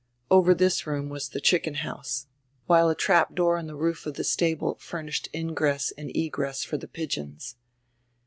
Over this roonr was tire chicken house, while a trap door in tire roof of the stable furnished ingress and egress for tire pigeons.